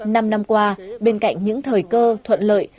năm năm qua bên cạnh những thời cơ thuận lợi